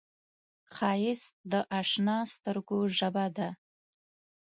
ښایست د اشنا سترګو ژبه ده